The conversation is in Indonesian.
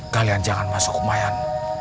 kalian jangan masuk kumaian